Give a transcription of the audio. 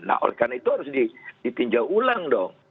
nah oleh karena itu harus ditinjau ulang dong